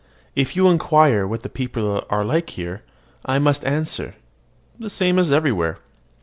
If you inquire what the people are like here, I must answer, "The same as everywhere."